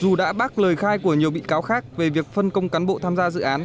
dù đã bác lời khai của nhiều bị cáo khác về việc phân công cán bộ tham gia dự án